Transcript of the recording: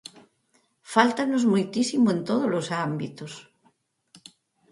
Fáltanos moitísimo en todos os ámbitos.